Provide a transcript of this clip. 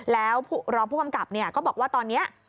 แล้วรองผู้กำกับก็บอกว่าตอนนี้